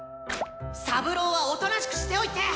サブローはおとなしくしておいて！